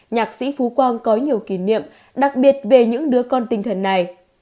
nhạc sĩ phú quang có nhiều kỷ niệm đặc biệt về những đứa con tinh thần này